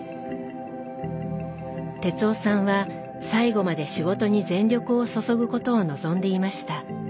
哲雄さんは最後まで仕事に全力を注ぐことを望んでいました。